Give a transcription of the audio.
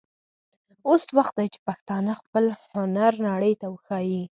اوس وخت دی چې پښتانه خپل هنر نړۍ ته وښايي.